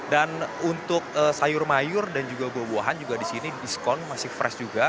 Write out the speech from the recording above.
dan untuk sayur mayur dan juga buah buahan juga di sini diskon masih fresh juga